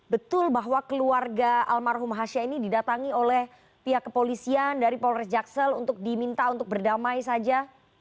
betul bahwa keluarga almarhum hasyah ini didatangi oleh pihak kepolisian dari polres jaksel untuk diminta untuk berdamai saja